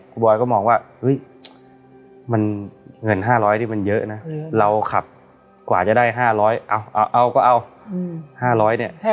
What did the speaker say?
คุณบอยก็มองว่าเฮ้ยมันเงิน๕๐๐นี่มันเยอะนะเราขับกว่าจะได้๕๐๐เอาก็เอา๕๐๐เนี่ย